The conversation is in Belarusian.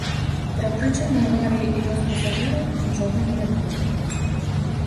Пра прычыны аварыі і лёс пасажыраў, нічога невядома.